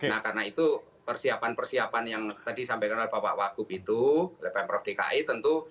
nah karena itu persiapan persiapan yang tadi sampaikan oleh bapak wakub itu pm prof dki tentu